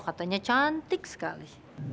katanya cantik sekali